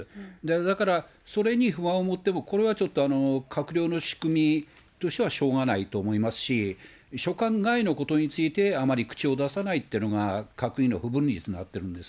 だからそれに不満を持っても、これはちょっと閣僚の仕組みとしてはしょうがないと思いますし、所管外のことについて、あまり口を出さないっていうのがの不文律になっているんです。